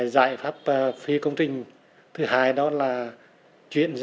giải pháp phi công trình thứ hai đó là chuyển